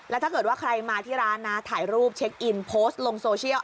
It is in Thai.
ถ้าเกิดว่าใครมาที่ร้านนะถ่ายรูปเช็คอินโพสต์ลงโซเชียล